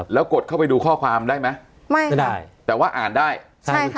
แล้วกดเข้าไปดูข้อความได้ไหมไม่ได้แต่ว่าอ่านได้ใช่ค่ะ